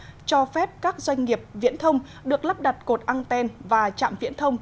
hạ tầng thụ động cho phép các doanh nghiệp viễn thông được lắp đặt cột an ten và trạm viễn thông